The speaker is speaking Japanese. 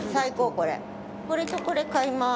これとこれ買います。